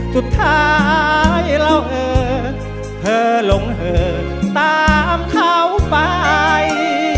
สุดท้ายเล่าเธอเธอลงเธอตามเข้าไป